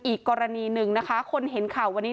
อีกกรณีหนึ่งนะคะคนเห็นข่าววันนี้